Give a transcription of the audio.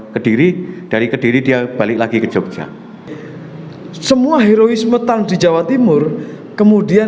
ke diri dari ke diri dia balik lagi ke jogja semua heroisme tang di jawa timur kemudian